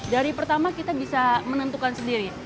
dari pertama kita bisa menentukan sendiri